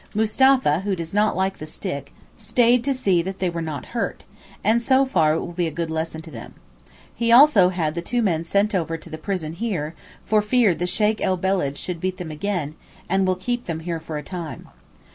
Mustapha, who does not like the stick, stayed to see that they were not hurt, and so far it will be a good lesson to them. He also had the two men sent over to the prison here, for fear the Sheykh el Beled should beat them again, and will keep them here for a time.